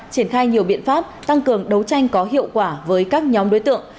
triển khai nhiều biện pháp tăng cường đấu tranh có hiệu quả với các nhóm đối tượng